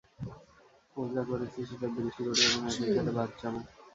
ও যা করছে সেটা দৃষ্টিকটু এবং একই সাথে বাচ্চামো!